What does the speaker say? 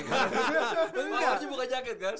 pak marji buka jaket kan